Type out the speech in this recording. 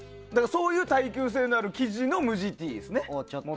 そういう耐久性のある生地の無地Ｔですね。